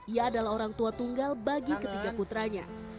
ia adalah orang tua tunggal bagi ketiga putranya